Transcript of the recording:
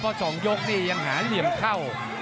เพราะ๒ยกนี่ยังหาเหลี่ยมเข้า